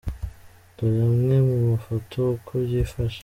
Dore amwe mu mafoto uko byifashe:.